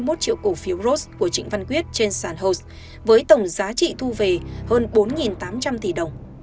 các cá nhân đã mua cổ phiếu rose của trịnh văn quyết trên sàn host với tổng giá trị thu về hơn bốn tám trăm linh tỷ đồng